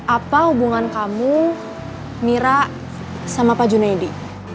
apa hubungan kamu mira sama pak juna ya di